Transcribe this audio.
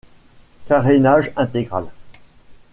Carénage intégral.